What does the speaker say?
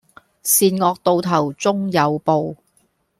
善惡到頭終有報